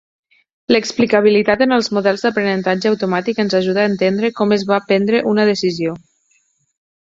L'explicabilitat en els models d'aprenentatge automàtic ens ajuda a entendre com es va prendre una decisió.